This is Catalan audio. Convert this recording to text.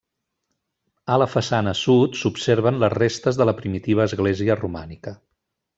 A la façana sud s'observen les restes de la primitiva església romànica.